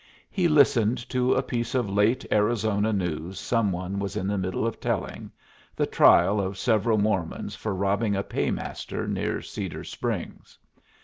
He listened to a piece of late Arizona news some one was in the middle of telling the trial of several Mormons for robbing a paymaster near Cedar Springs.